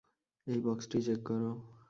এই বক্সটি চেক কর।